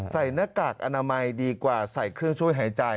หน้ากากอนามัยดีกว่าใส่เครื่องช่วยหายใจ